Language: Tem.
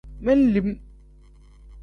Men-lim.